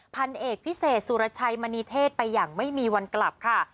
พันเอกพิเศษสุรชัยมณีเทศไปอย่างไม่มีวันกลับค่ะ